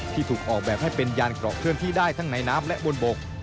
ถูกออกแบบให้เป็นยานเกราะเคลื่อนที่ได้ทั้งในน้ำและบนบก